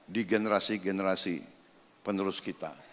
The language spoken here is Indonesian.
di generasi generasi penerus kita